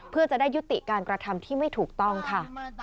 เพื่อจะได้ยุติการกระทำที่ไม่ถูกต้องค่ะ